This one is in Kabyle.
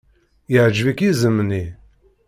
Yeɛjeb-ik yiẓem-nni?